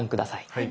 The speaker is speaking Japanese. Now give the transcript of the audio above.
はい。